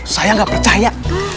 saya gak percaya